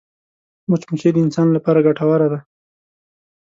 مچمچۍ د انسان لپاره ګټوره ده